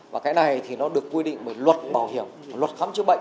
và cái này thì nó được quy định bởi luật bảo hiểm luật khám chữa bệnh